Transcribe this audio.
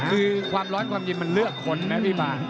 คือความร้อนความเย็นมันเลือกคนไหมพี่ป่า